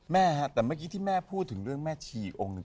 แม่ฮะแต่เมื่อกี้ที่แม่พูดถึงเรื่องแม่ชีอีกองค์หนึ่ง